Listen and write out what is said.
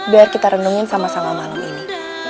biar kita rendungin sama sama malam ini